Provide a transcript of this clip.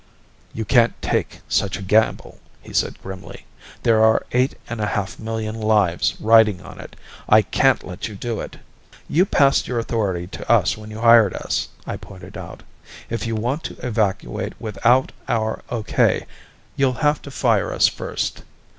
"You can't take such a gamble," he said grimly. "There are eight and a half million lives riding on it. I can't let you do it." "You passed your authority to us when you hired us," I pointed out. "If you want to evacuate without our O.K., you'll have to fire us first.